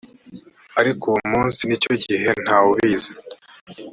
ariko uwo munsi n icyo gihe nta wubizi